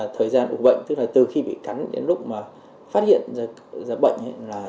thời gian ủ bệnh tức là từ khi bị cắn đến lúc mà phát hiện ra bệnh